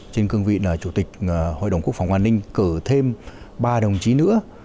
trên cương vị là chủ tịch hội đồng quốc phòng an ninh cử thêm ba đồng chí nữa